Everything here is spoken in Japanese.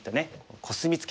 コスミツケ